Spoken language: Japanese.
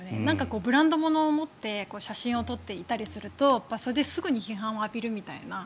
ブランド物を持って写真を撮っていたりするとそれですぐに批判を浴びるみたいな。